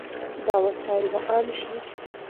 دا وسایل به عام شي.